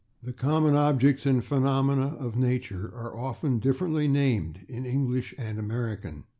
The common objects and phenomena of nature are often differently named in English and American.